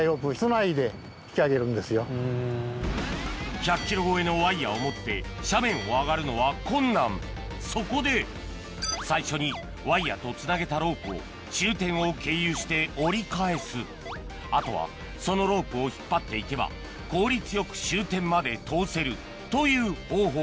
１００ｋｇ超えのワイヤを持って斜面を上がるのは困難そこで最初にワイヤとつなげたロープを終点を経由して折り返すあとはそのロープを引っ張っていけば効率よく終点まで通せるという方法